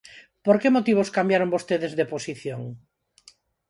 ¿Por que motivos cambiaron vostedes de posición?